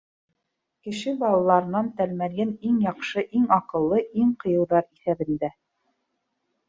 — Кеше балаларынан Тәлмәрйен иң яҡшы, иң аҡыллы, иң ҡыйыуҙар иҫәбендә.